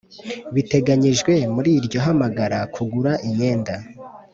biteganyijwe muri iryo hamagara kugura imyenda